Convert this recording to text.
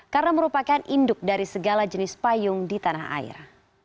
karena merupakan induk dari segala jenis payung di tanah air